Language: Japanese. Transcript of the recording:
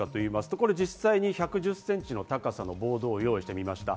これは実際１１０ｃｍの高さのボードを用意しました。